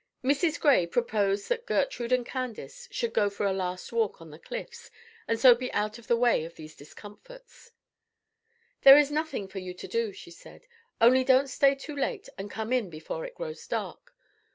Mrs. Gray proposed that Gertrude and Candace should go for a last walk on the Cliffs, and so be out of the way of these discomforts. "There is nothing for you to do," she said. "Only don't stay too late, and come in before it grows dark.